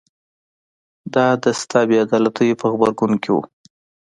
دا د شته بې عدالتیو په غبرګون کې و